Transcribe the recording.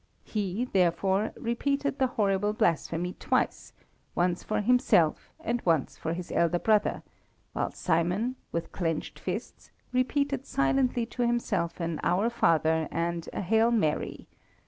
He, therefore, repeated the horrible blasphemy twice, once for himself and once for his elder brother, while Simon, with clenched fists, repeated silently to himself an Our Father and a Hail Mary!